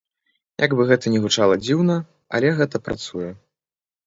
Як бы гэта ні гучала дзіўна, але гэта працуе.